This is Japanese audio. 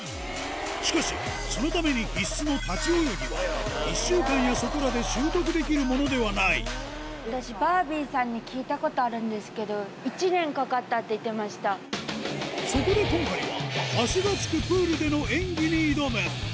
しかし、そのために必須の立ち泳ぎは、１週間やそこらで習得できるもの私、バービーさんに聞いたことあるんですけど、そこで今回は、足がつくプールでの演技に挑む。